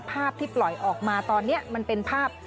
ภาพที่ปล่อยออกมาตอนนี้มันเป็นภาพ